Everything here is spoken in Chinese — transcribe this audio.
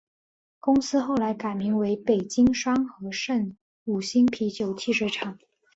公司后来改名北京双合盛五星啤酒汽水厂。